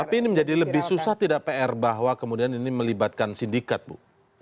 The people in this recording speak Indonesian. tapi ini menjadi lebih susah tidak pr bahwa kemudian ini melibatkan sindikat bu